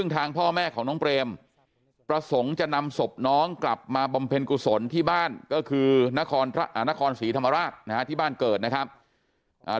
ทางน้องเปรมประสงค์จะนำสบที่น้องประสงค์กลับมาบำเพ็ญที่บ้านคือนครศรีธรรมราช